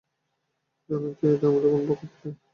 জানই তো এতে আমাদের কোনো হাত নাই।